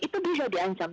itu bisa diancam